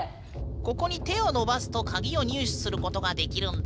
ここに手を伸ばすと鍵を入手することができるんだ。